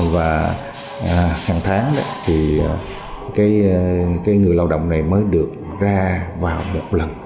và hàng tháng thì người lao động này mới được ra vào một lần